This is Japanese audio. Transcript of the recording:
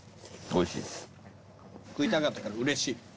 おいしい。